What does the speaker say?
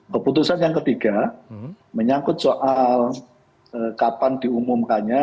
keputusan yang ketiga menyangkut soal kapan diumumkannya